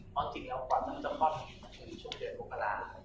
เพราะจริงแล้วก่อนมันจะค่อนขึ้นช่วงเวลา๖อาหาร